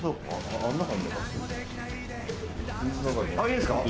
いいんですか？